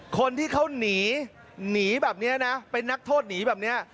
คนที่เขาหนีหนีแบบนี้นะเป็นนักโทษหนีแบบนี้